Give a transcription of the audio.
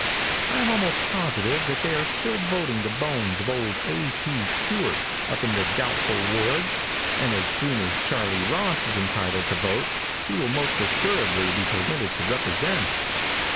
I am almost positive that they are still voting the bones of old A. T. Stewart up in the doubtful wards, and as soon as Charlie Ross is entitled to vote, he will most assuredly be permitted to represent.